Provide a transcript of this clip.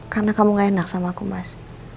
karena kamu gak enak sama aku mas